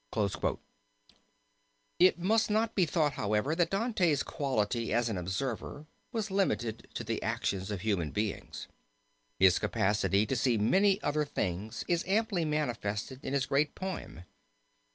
It must not be thought, however, that Dante's quality as an observer was limited to the actions of human beings. His capacity to see many other things is amply manifested in his great poem.